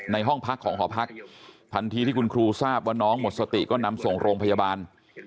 ห้องพักของหอพักทันทีที่คุณครูทราบว่าน้องหมดสติก็นำส่งโรงพยาบาล